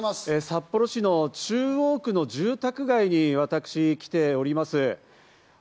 札幌市の中央区の住宅街に私、来ております。